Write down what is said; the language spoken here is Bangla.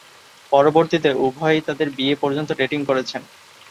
পরবর্তীতে, উভয়েই তাদের বিয়ে পর্যন্ত ডেটিং করেছেন।